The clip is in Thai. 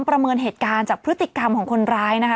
ประเมินเหตุการณ์จากพฤติกรรมของคนร้ายนะคะ